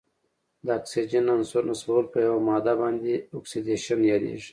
د اکسیجن عنصر نصبول په یوه ماده باندې اکسیدیشن یادیږي.